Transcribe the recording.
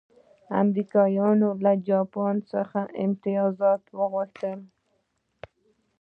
امریکایانو له جاپان څخه امتیازات وغوښتل.